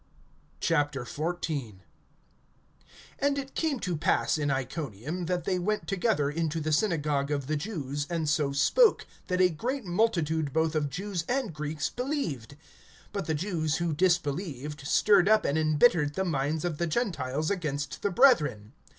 XIV. AND it came to pass in Iconium, that they went together into the synagogue of the Jews, and so spoke, that a great multitude both of Jews and Greeks believed. (2)But the Jews who disbelieved stirred up and embittered the minds of the Gentiles against the brethren.